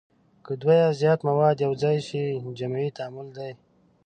که دوه یا زیات مواد یو ځای شي جمعي تعامل دی.